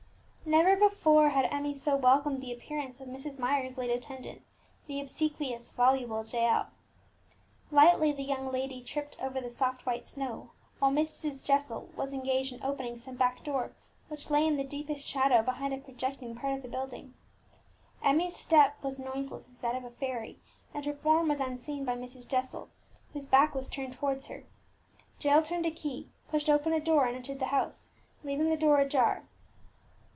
Never before had Emmie so welcomed the appearance of Mrs. Myer's late attendant, the obsequious, voluble Jael. Lightly the young lady tripped over the soft white snow, whilst Mrs. Jessel was engaged in opening some back door which lay in the deepest shadow behind a projecting part of the building. Emmie's step was noiseless as that of a fairy, and her form was unseen by Mrs. Jessel, whose back was turned towards her. Jael turned a key, pushed open a door, and entered the house, leaving the door ajar.